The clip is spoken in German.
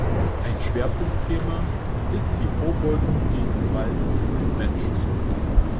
Ein Schwerpunktthema ist die Vorbeugung gegen Gewalt zwischen Menschen.